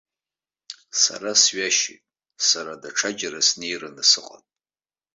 Сара сҩашьеит, сара даҽаџьара снеираны сыҟан.